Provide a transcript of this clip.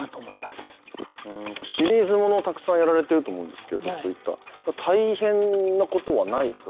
シリーズものをたくさんやられてると思うんですけど大変なことはないですか？